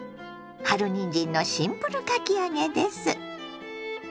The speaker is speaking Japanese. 春にんじんのシンプルかき揚げです。